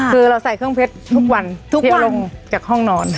คือเราใส่เครื่องเพชรทุกวันทุกวันลงจากห้องนอน